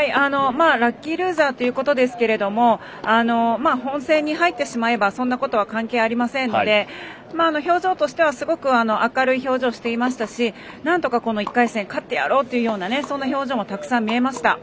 ラッキールーザーということですが本戦に入ってしまえばそんなことは関係ありませんので表情としてはすごく明るい表情をしていましたしなんとか１回戦勝ってやろうというそんな表情もたくさん見えました。